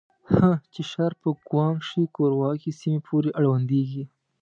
هه چه ښار په ګوانګ شي کورواکې سيمې پورې اړونديږي.